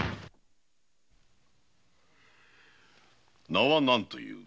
名は何という？